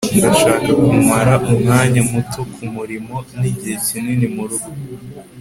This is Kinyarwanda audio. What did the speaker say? ndashaka kumara umwanya muto kumurimo nigihe kinini murugo